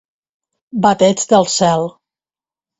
Bateig del cel.